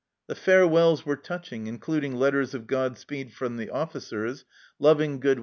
The farewells were touching, including letters of God speed from the officers, loving good wishes 1